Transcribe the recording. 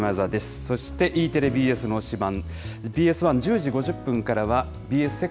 そしてＥテレ、ＢＳの推しバン！